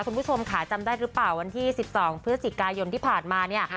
คุณผู้ชมค่ะจำได้หรือเปล่าวันที่๑๒พฤศจิกายนที่ผ่านมาเนี่ย